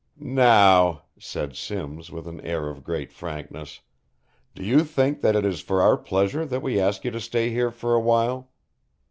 "Now," said Simms, with an air of great frankness, "do you think that it is for our pleasure that we ask you to stay here for a while?